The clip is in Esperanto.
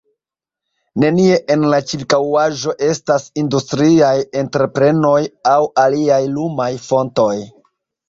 Nenie en la ĉirkaŭaĵo estas industriaj entreprenoj aŭ aliaj lumaj fontoj.